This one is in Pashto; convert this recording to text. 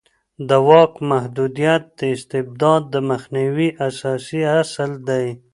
د واک محدودیت د استبداد د مخنیوي اساسي اصل دی